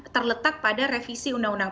terletak pada revisi undang undang